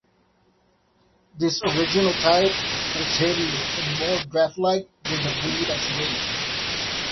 This original type was heavier and more draft-like than the breed of today.